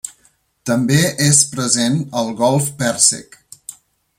També és present al Golf Pèrsic.